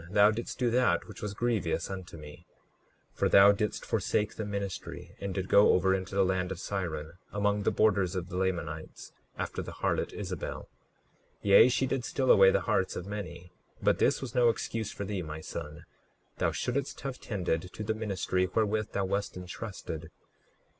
Thou didst do that which was grievous unto me; for thou didst forsake the ministry, and did go over into the land of Siron, among the borders of the Lamanites, after the harlot Isabel. 39:4 Yea, she did steal away the hearts of many; but this was no excuse for thee, my son. Thou shouldst have tended to the ministry wherewith thou wast entrusted.